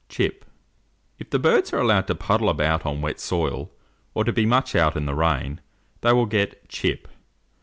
CHIP. If the birds are allowed to puddle about on wet soil, or to be much out in the rain, they will get "chip."